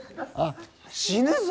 死ぬぞ！